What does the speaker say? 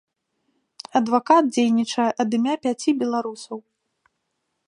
Адвакат дзейнічае ад імя пяці беларусаў.